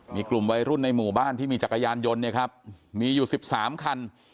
มีกลุ่มวัยรุ่นในหมู่บ้านที่มีจักรยานยนต์เนี่ยครับมีอยู่๑๓คัน